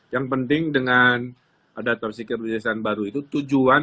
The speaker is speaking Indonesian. yang penting dengan ada tersekerjaan baru itu tujuan